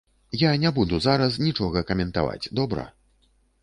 Я не буду зараз нічога каментаваць, добра?